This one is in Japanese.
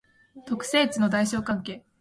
特性値の大小関係